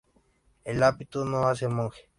El hábito no hace al monje